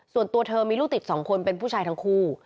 ส่วนตัวเธอมีลูกติด๒คนเป็นผู้ชายทั้งคู่